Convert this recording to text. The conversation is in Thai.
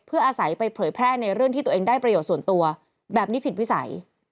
เพื่ออาศัยไปเผยแพร่ในเรื่องที่ตัวเองได้ประโยชน์ส่วนตัวแบบนี้ผิดวิสัย